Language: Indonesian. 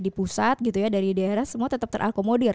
dan penanganan yang nanti di pusat dari daerah semua tetap terakomodir